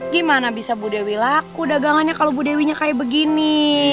gimana bisa bu dewi laku dagangannya kalau bu dewinya kayak begini